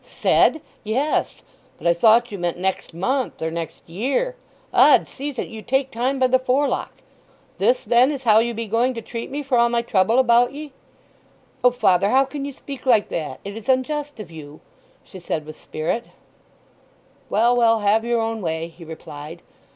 "Said!—yes. But I thought you meant next month, or next year. 'Od, seize it—you take time by the forelock! This, then, is how you be going to treat me for all my trouble about ye?" "O father! how can you speak like that? It is unjust of you!" she said with spirit. "Well, well, have your own way," he replied.